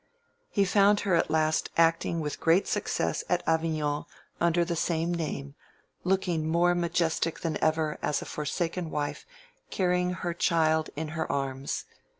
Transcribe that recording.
He found her at last acting with great success at Avignon under the same name, looking more majestic than ever as a forsaken wife carrying her child in her arms.